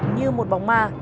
như một bóng ma